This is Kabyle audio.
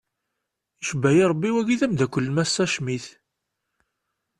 Icebbayi rebbi wagi d amdakel n massa Schmitt.